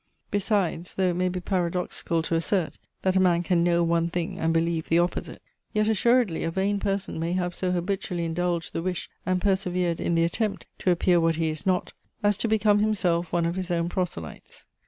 Besides, though it may be paradoxical to assert, that a man can know one thing and believe the opposite, yet assuredly a vain person may have so habitually indulged the wish, and persevered in the attempt, to appear what he is not, as to become himself one of his own proselytes.